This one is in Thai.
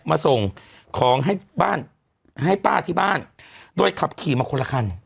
มาส่งของให้บ้านให้ป้าที่บ้านโดยขับขี่มาคนละคัน